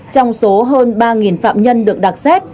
trong số hơn ba phạm nhân được đặc sát